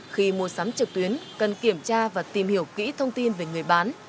khi mua sắm trực tuyến cần kiểm tra và tìm hiểu kỹ thông tin về người bán